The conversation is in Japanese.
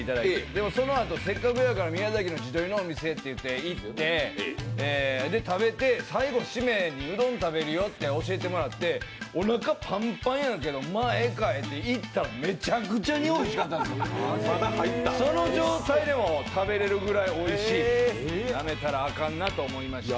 でもそのあと、せっかくやから宮崎の地鶏のお店に行って食べて、最後にシメにうどん食べるよって教えていただいて、おなかパンパンやけど、ま、いっかって行ったらめちゃくちゃにおいしかったんです、その状態でも食べれるぐらいおいしいなめたらアカンなと思いました。